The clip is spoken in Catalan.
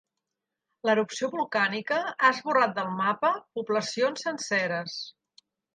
L'erupció volcànica ha esborrat del mapa poblacions senceres.